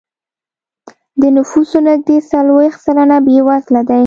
د نفوسو نږدې څلوېښت سلنه بېوزله دی.